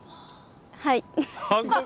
はい。